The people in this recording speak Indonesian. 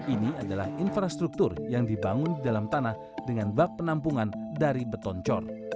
ini adalah infrastruktur yang dibangun di dalam tanah dengan bak penampungan dari beton cor